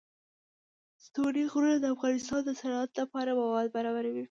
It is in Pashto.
ستوني غرونه د افغانستان د صنعت لپاره مواد برابروي.